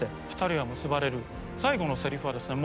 最後のセリフはですね